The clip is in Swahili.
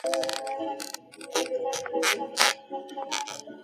redio zingine hazisikiki mbali kama zingine